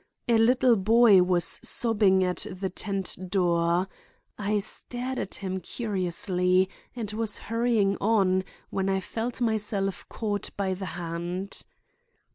A little boy was sobbing at the tent door. I stared at him curiously, and was hurrying on, when I felt myself caught by the hand.